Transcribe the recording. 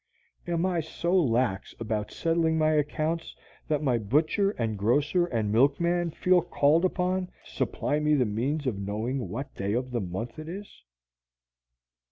Am I so lax about settling my accounts that my butcher and grocer and milkman feel called upon to supply me the means of knowing what day of the month it is?